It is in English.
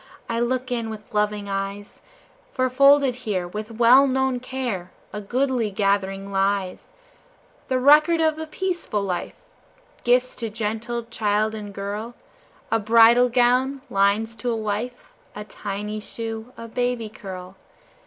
I look in with loving eyes, For folded here, with well known care, A goodly gathering lies, The record of a peaceful life Gifts to gentle child and girl, A bridal gown, lines to a wife, A tiny shoe, a baby curl.